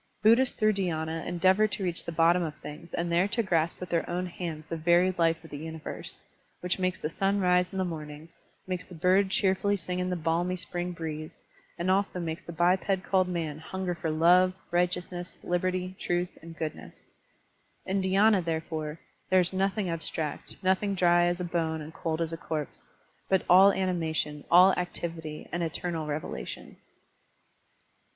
Buddhists through dhyina endeavor to reach the bottom of things and there to grasp with their own hands the very life of the universe, which makes the Sim rise in the morning, makes the bird cheerfully sing in the balmy spring breeze, and also makes the biped called man himger for love, righteousness, liberty, truth, and goodness. In dhy^na, therefore, there is nothing abstract, nothing dry as a bone and cold as a corpse, but all animation, all activity, and eternal revelation.